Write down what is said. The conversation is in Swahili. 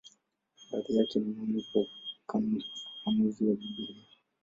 Baadhi yake ni muhimu kwa ufafanuzi wa Biblia.